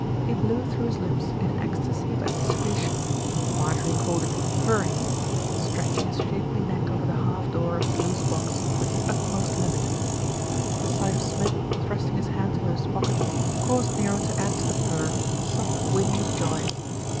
He blew through his lips in an ecstasy of antici pation, Marjorie called it "purring," stretching his shapely neck over the half door of his loose box to its utmost limit. ERIC PRONOUNCES IT SPIF 345 The sight of Smith thrusting his hand into his pocket caused Nero to add to the "purr" a soft whinny of joy.